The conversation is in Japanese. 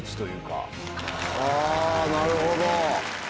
あなるほど。